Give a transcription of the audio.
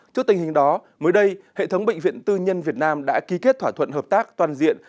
trước tình hình đó mới đây hệ thống bệnh viện tư nhân việt nam đã ký kết thỏa thuận hợp tác toàn diện